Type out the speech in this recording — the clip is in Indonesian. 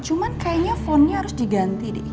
cuman kayaknya fontnya harus diganti deh